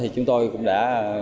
chúng tôi cũng đã